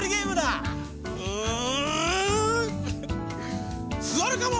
うんすわるカモ！